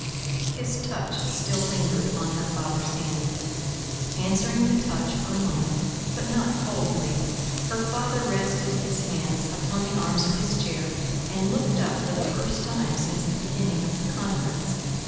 His touch still lingered on her father's hand. Answering the touch for a moment, but not coldly, her father rested his hands upon the arms of his chair, and looked up for the first time since the beginning of the conference.